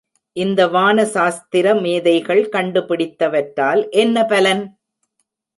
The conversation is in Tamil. இந்த வான சாஸ்திர மேதைகள் கண்டு பிடித்தவற்றால் என்ன பலன்?